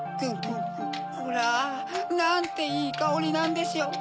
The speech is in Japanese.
ホラなんていいかおりなんでしょう！